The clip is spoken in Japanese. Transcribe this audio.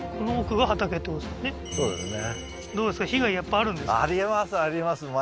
そうですね